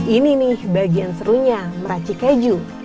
ini nih bagian serunya meracik keju